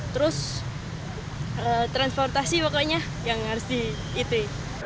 terus transportasi pokoknya yang harus di itu